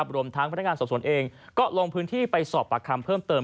รวมทั้งพนักงานสอบสวนเองก็ลงพื้นที่ไปสอบปากคำเพิ่มเติม